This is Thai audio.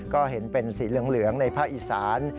ก็เห็นเป็นสีเหลืองในภาคอีสาน